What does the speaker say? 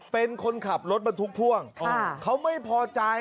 เป็นคนขับรถบรรทุกพ่วงเขาไม่พอใจ